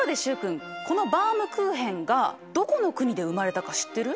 このバウムクーヘンがどこの国で生まれたか知ってる？